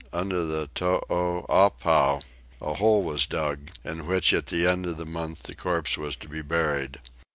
Under the Toopapow a hole was dug, in which at the end of a month the corpse was to be buried.